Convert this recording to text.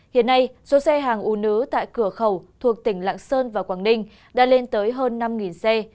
hiện nay số xe hàng u nứ tại cửa khẩu thuộc tỉnh lạng sơn và quảng ninh đã lên tới hơn năm xe